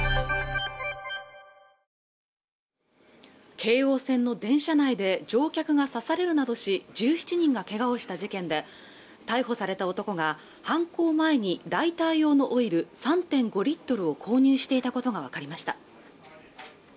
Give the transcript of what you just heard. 京王線の電車内で乗客が刺されるなどし１７人がけがをした事件で逮捕された男が犯行前にライター用のオイル３．５Ｌを購入していたことが分かりました